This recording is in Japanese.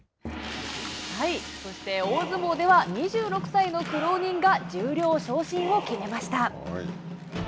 そして、大相撲では、２６歳の苦労人が十両昇進を決めました。